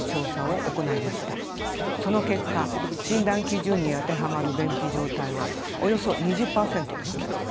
その結果診断基準に当てはまる便秘状態はおよそ２０％でした。